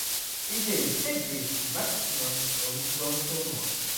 Il y a eu sept break maximum dans l'histoire du tournoi.